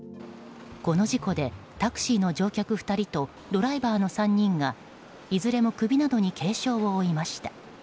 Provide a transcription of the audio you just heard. この事故でタクシーの乗客２人とドライバーの３人がいずれも首などに軽傷を負いました。